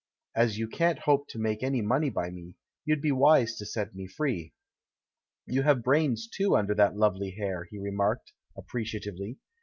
As you can't hope to make any money by me, you'd be wise to set me free." "You have brains, too, under that lovely hair," he remarked, appreciatively.